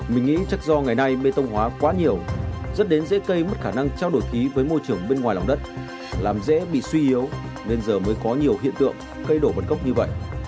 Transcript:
mình nghĩ chắc do ngày nay bê tông hóa quá nhiều dẫn đến dễ cây mất khả năng trao đổi ký với môi trường bên ngoài lòng đất làm dễ bị suy yếu nên giờ mới có nhiều hiện tượng cây đổ bật cốc như vậy